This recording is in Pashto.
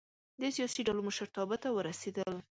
د سیاسي ډلو مشرتابه ته ورسېدل.